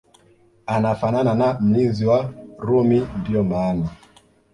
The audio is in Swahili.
anafanana na mlinzi wa Rumi ndio maana